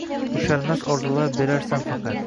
Ushalmas orzular berasan faqat